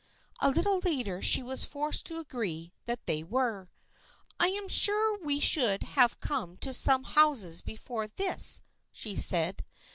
A little later she was forced to agree that they were. " I am sure we should have come to some houses before this," she said.